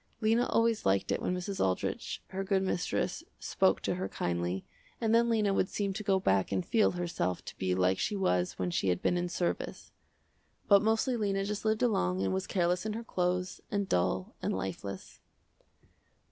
Lena always liked it when Mrs. Aldrich her good mistress spoke to her kindly, and then Lena would seem to go back and feel herself to be like she was when she had been in service. But mostly Lena just lived along and was careless in her clothes, and dull, and lifeless.